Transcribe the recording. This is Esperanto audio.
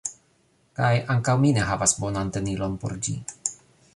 kaj ankaŭ mi ne havas bonan tenilon por ĝi.